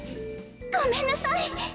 「ごめんなさい」。